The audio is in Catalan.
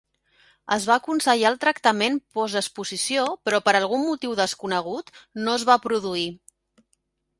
Es va aconsellar el tractament postexposició però per algun motiu desconegut, no es va produir.